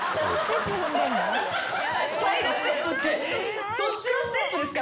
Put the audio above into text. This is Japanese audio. サイドステップってそっちのステップですか？